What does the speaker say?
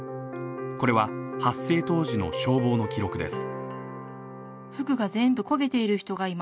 これは発生当時の消防の記録です。